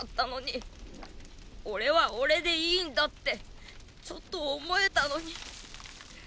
俺は俺でいいんだってちょっと思えたのに。